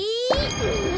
うん。